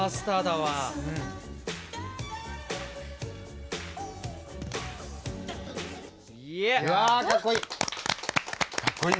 うんかっこいい。